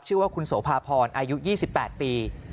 ชื่อว่าคุณโสภาพรอายุ๒๘ปี